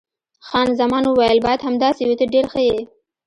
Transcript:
خان زمان وویل: باید همداسې وي، ته ډېر ښه یې.